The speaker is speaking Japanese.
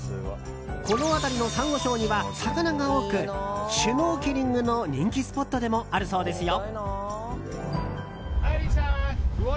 この辺りのサンゴ礁には魚が多くシュノーケリングの人気スポットでもあるそうですよ。